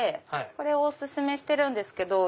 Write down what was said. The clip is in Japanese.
これをお薦めしてるんですけど。